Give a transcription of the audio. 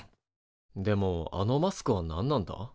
でもあのマスクは何なんだ？